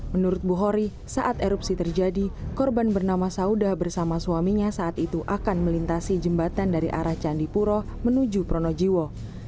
menurut bu hori saat erupsi terjadi korban bernama sauda bersama suaminya saat itu akan melintasi jembatan dari arah candipuro menuju pronojiwo